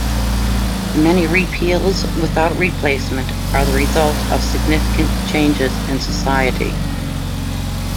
Many repeals without replacement are the result of significant changes in society.